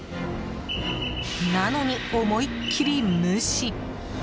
なのに、思いっきり無視。